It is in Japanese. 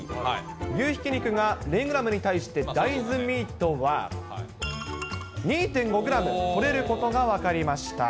牛ひき肉が０グラムに対して、大豆ミートは２．５グラムとれることが分かりました。